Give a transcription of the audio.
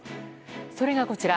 それが、こちら。